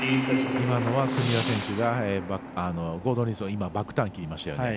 今のは国枝選手がゴードン・リードはバックターン切りましたよね。